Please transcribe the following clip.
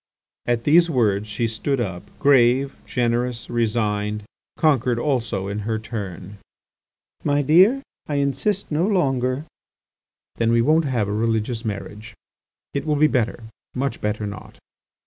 At these words she stood up grave, generous, resigned, conquered also in her turn. "My dear, I insist no longer." "Then we won't have a religious marriage. It will be better, much better not."